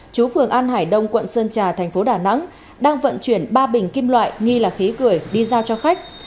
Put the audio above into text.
chú phường an hải đông quận sơn trà thành phố đà nẵng đang vận chuyển ba bình kim loại nghi là khí cười đi giao cho khách